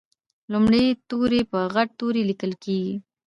لومړی توری په غټ توري لیکل کیږي.